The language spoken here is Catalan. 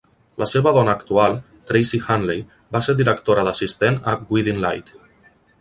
La seva dona actual, Tracey Hanley, va ser directora d'assistent a "Guiding Light".